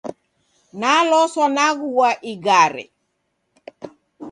Neloswa naghua igare.